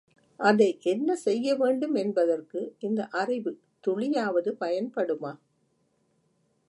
அதை என்ன செய்யவேண்டும் என்பதற்கு இந்த அறிவு துளியாவது பயன்படுமா?